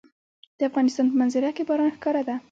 د افغانستان په منظره کې باران ښکاره ده.